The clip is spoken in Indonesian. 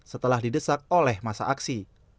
setelah didesak oleh masa aksi